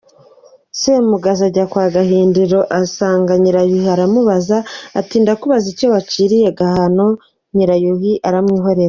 Semugaza ajya kwa Gahindiro asanga Nyirayuhi aramubaza, ati: "Ndakubaza icyo waciriye Kabano" Nyirayuhi aramwihorera.